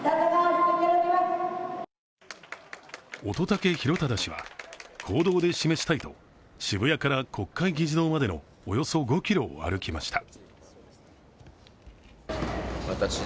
乙武洋匡氏は、行動で示したいと渋谷から国会議事堂までのおよそ５ｋｍを歩きました。